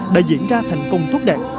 đã diễn ra thành công thuốc đạn